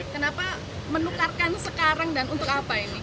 kenapa menukarkan sekarang dan untuk apa ini